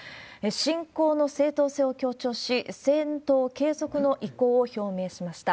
侵攻の正当性を強調し、戦闘継続の意向を表明しました。